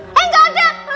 eh gak ada